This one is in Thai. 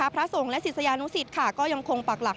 พระสงฆ์และศิษยานุสิตก็ยังคงปักหลัก